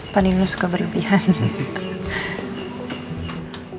pani lu suka berlebihan